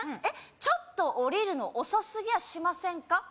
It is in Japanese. えっちょっと降りるの遅すぎやしませんか？